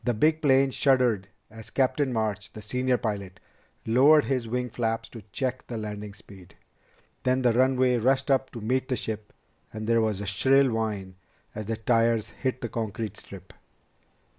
The big plane shuddered as Captain March, the senior pilot, lowered his wing flaps to check the landing speed. Then the runway rushed up to meet the ship, and there was a shrill whine as the tires hit the concrete strip.